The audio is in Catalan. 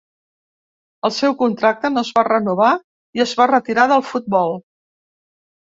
El seu contracte no es va renovar i es va retirar del futbol.